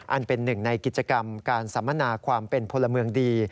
อันเป็นหนึ่งในกิจกรรมการสัมมนาความเป็นพลเมืองดี